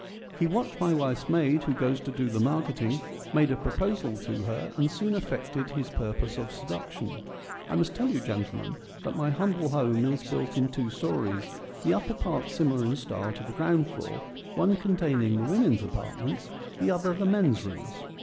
He watched my wife's maid who goes to do the mark eting, made a proposal to her, and soon effected his purpose of seduction. I must tell you, gentlemen, that my humble home is built in two storeys, the upper part similar in style to the ground floor, one containing the women's apartments, the other the men's rooms.